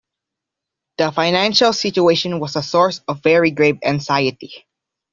The financial situation was a source of very grave anxiety.